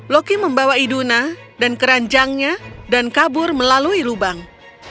loki membawa iduna dan keranjangnya dan kabur melalui lubang